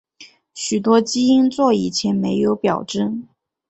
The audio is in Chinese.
许多基因座以前没有表征。